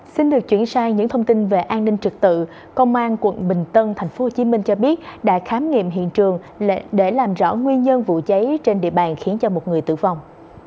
xin được chuyển sang những thông tin về an ninh trực tự công an tp hcm cho biết đã khám nghiệm hiện trường để làm rõ nguyên nhân vụ cháy trên địa bàn khiến một người tử vong